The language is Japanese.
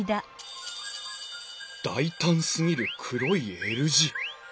大胆すぎる黒いＬ字。